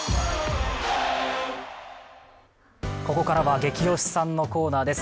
ここからはゲキ推しさんのコーナーです。